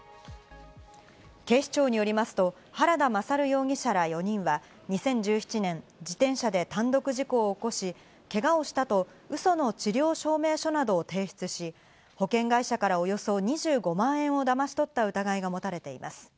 警視庁によりますと原田勝容疑者ら４人は２０１７年、自転車で単独事故を起こし、けがをしたとウソの治療証明書などを提出し、保険会社からおよそ２５万円をだまし取った疑いが持たれています。